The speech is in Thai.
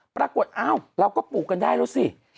ปรากฏอ้าวเราก็ปลูกกันได้แล้วสิ